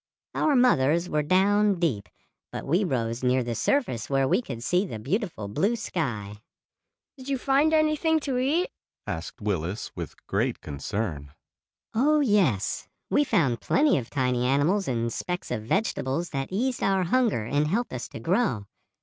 Our mothers were down deep, but we rose near the surface where we could see the beautiful blue sky." "Did you find anything to eat?" asked Willis with great concern. "Oh, yes. We found plenty of tiny animals and specks of vegetables that eased our hunger and helped us to grow.